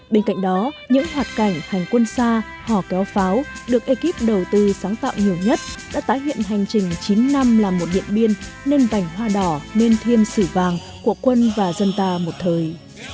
bên cạnh đó những hoạt cảnh hành quân xa hò kéo pháo được ekip đầu tư sáng tạo nhiều nhất đã tái hiện hành trình chín năm làm một điện biên nên cảnh hoa đỏ nên thiên sử vàng của quân và dân ta một thời